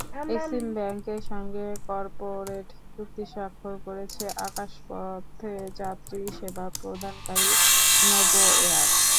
Exim ব্যাংকের সঙ্গে corporate চুক্তি স্বাক্ষর করেছে আকাশপথে যাত্রীসেবা প্রদানকারী নভো এয়ার।